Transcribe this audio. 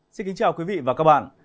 xin kính chào quý vị và các bạn